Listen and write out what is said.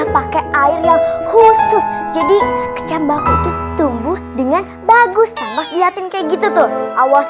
pakai air yang khusus jadi kecambang tumbuh dengan bagus terus diatin kayak gitu tuh awas